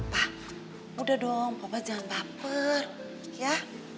pa udah dong papa jangan baper ya